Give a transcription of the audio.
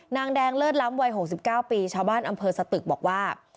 นางแดงเลิศล้ำวัย๖๙ปีชาวบ้านอำเภอสตึกบอกว่า